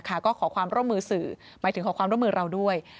ก็ขอความร่วมมือสื่อหมายถึงขอความร่วมมือเราด้วย